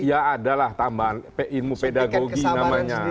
ya ada lah tambahan ilmu pedagogi namanya